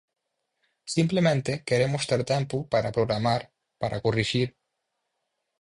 Simplemente queremos ter tempo para programar, para corrixir...